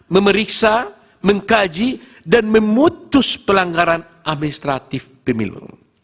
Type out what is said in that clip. memeriksa mengkaji dan memutus pelanggaran administratif pemilu